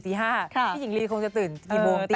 พี่หญิงลีคงจะตื่นกี่โมง